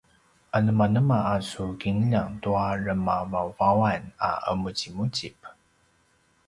anemanema a su kinljang tua remavauvaungan a ’emuzimuzip?